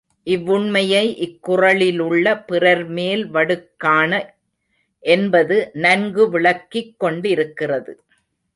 இவ்வுண்மையை இக் குறளிலுள்ள பிறர்மேல் வடுக்காண என்பது நன்கு விளக்கிக் கொண்டிருக்கிறது.